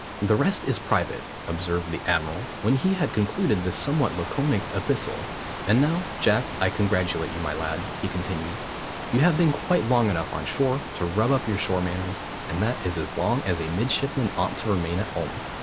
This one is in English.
The rest is private," observed the admiral, when he had concluded this somewhat laconic epistle. "And now, Jack, I congratulate you, my lad," he continued. "You have been quite long enough on shore to rub up your shore manners, and that is as long as a midshipman ought to remain at home.